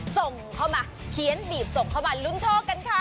ส่งเข้ามาเขียนบีบส่งเข้ามาลุ้นโชคกันค่ะ